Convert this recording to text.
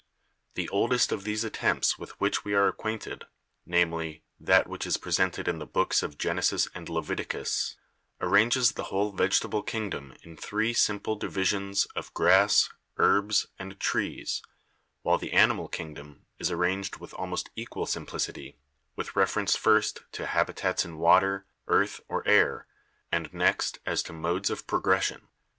The oldest of these attempts with which we are acquainted — namely, that which is presented in the books of Genesis and Leviticus — arranges the whole vegetable kingdom in three simple divisions of Grass, Herbs and Trees, while the animal kingdom is arranged with almost equal sim plicity with reference first to habitats in water, earth or air and next as to modes of progression.